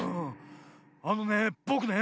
あのねぼくね